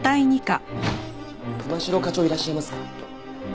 神代課長いらっしゃいますか？